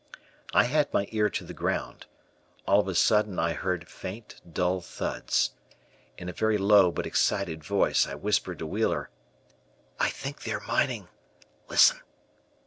I had my ear to the ground. All of a sudden I heard faint, dull thuds. In a very low, but excited voice, I whispered to Wheeler, "I think they are mining, listen."